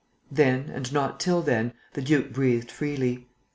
Then and not till then, the duke breathed freely.